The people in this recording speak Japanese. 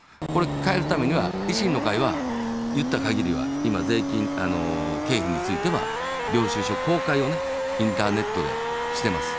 変えるためには維新の会は言った限りは、今、経費については、領収書公開をインターネットでしています。